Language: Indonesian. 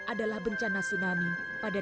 adalah bencana tsunami pada dua ribu empat